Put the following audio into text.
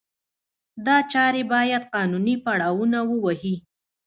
دا چارې باید قانوني پړاونه ووهي.